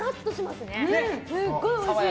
すごいおいしい。